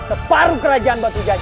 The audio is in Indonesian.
separuh kerajaan batu jajar ini